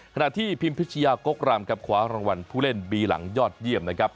ขณะที่พิมพิชยากกรำครับคว้ารางวัลผู้เล่นบีหลังยอดเยี่ยมนะครับ